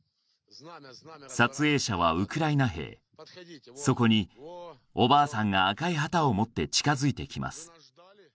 撮影者はウクライナ兵そこにおばあさんが赤い旗を持って近づいてきます